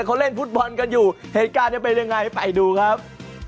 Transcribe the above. เขาเล่นฟุตบอลกันอยู่เหตุการณ์จะเป็นยังไงไปดูครับ